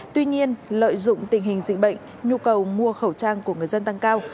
tuy nhiên lợi dụng tình hình dịch bệnh nhu cầu mua khẩu trang của người dân tăng cao